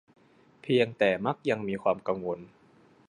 เพียงแต่มักยังมีความกังวล